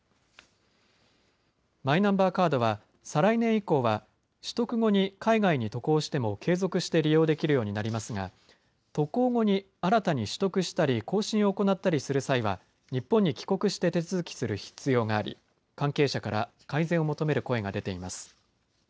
マイナンバーカードは再来年以降は取得後に海外に渡航しても継続して利用できるようになりますが、渡航後に新たに取得したり更新を行ったりする際は日本に帰国して手続きする必要があり関係者から改善を求める声が出ています。